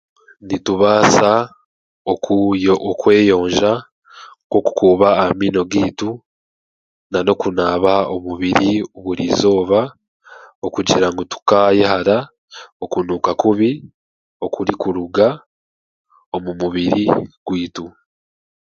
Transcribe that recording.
Nitubaasa okuyo okweyonja nk'okuuba amaino gaitu n'okunaaba omubiri buri eizooba okugira ngu tukaayehara okunuuka kubi okurikuruga omu mubiri gwaitu